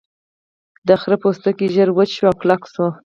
د خرۀ پوستکی ژر وچ شو او کلک شو.